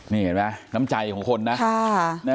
นี่เห็นไหมน้ำใจของคนนะ